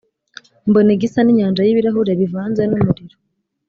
Mbona igisa n’inyanja y’ibirahuri bivanze n’umuriro,